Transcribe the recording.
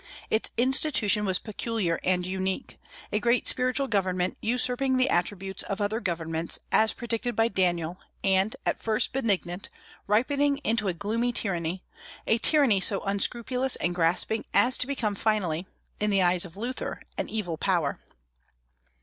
Its institution was peculiar and unique; a great spiritual government usurping the attributes of other governments, as predicted by Daniel, and, at first benignant, ripening into a gloomy tyranny, a tyranny so unscrupulous and grasping as to become finally, in the eyes of Luther, an evil power.